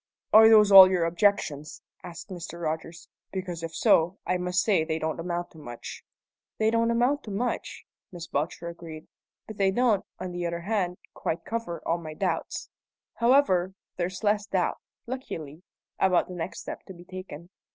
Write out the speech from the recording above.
"Are those all your objections?" asked Mr. Rogers. "Because, if so, I must say they don't amount to much." "They don't amount to much," Miss Belcher agreed, "but they don't, on the other hand, quite cover all my doubts. However, there's less doubt, luckily, about the next step to be taken.